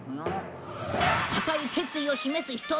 固い決意を示す瞳。